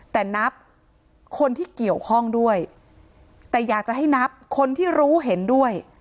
แต่นับคนที่เกี่ยวข้องด้วยแต่อยากจะให้นับคนที่รู้เห็นด้วย